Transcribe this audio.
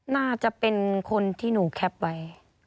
น่าจะเป็นคนที่หนูแคปไว้